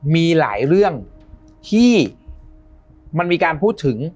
มีหลายเรื่องที่มันมีการพูดถึง